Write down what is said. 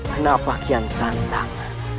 kenapa kian santang